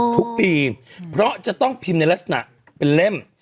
ทุกปีเพราะจะต้องพิมพ์ในลักษณะเป็นเล่ม